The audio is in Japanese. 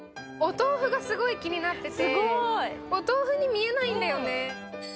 お豆腐がすごい気になっててお豆腐に見えないんだよね。